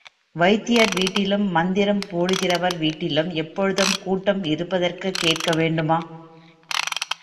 வைத்தியர் வீட்டிலும், மந்திரம் போடுகிறவர் வீட்டிலும் எப்போதும் கூட்டம் இருப்பதற்குக் கேட்க வேண்டுமா?